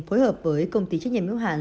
phối hợp với công ty trách nhiệm yếu hạn